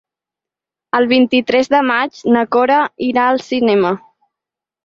El vint-i-tres de maig na Cora irà al cinema.